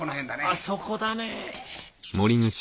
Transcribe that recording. あっそこだねえ。